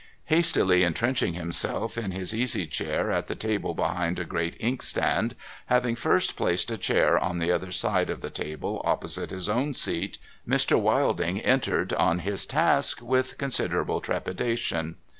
Hastily entrenching himself in his easy chair at the table behind a great inkstand, having first placed a chair on the other side of the table opposite his own seat, Mr. Wilding entered on his task with considerable trepidation.